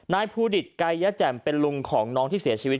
นายภูดิตไกรยแจ่มเป็นลุงของน้องที่เสียชีวิต